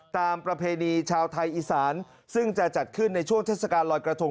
ประเพณีชาวไทยอีสานซึ่งจะจัดขึ้นในช่วงเทศกาลลอยกระทง